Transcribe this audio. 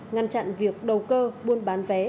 ngăn chặn việc đầu cơ buôn bán vé